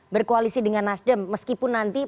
berkoalisi dengan nasdem meskipun nanti